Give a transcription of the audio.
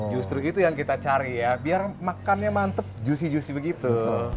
justru itu yang kita cari ya biar makannya mantep juicy juicy begitu